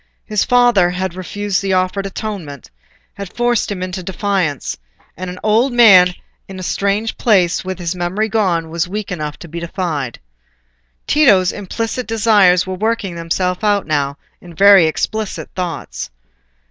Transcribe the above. His father had refused the offered atonement—had forced him into defiance; and an old man in a strange place, with his memory gone, was weak enough to be defied. Tito's implicit desires were working themselves out now in very explicit thoughts.